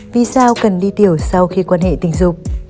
vì sao cần đi tiểu sau khi quan hệ tình dục